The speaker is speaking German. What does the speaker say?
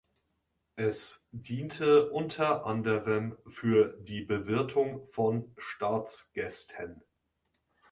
Es diente unter anderem für die Bewirtung von Staatsgästen.